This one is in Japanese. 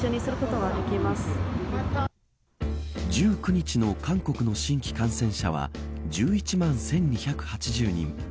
１９日の韓国の新規感染者は１１万１２８０人。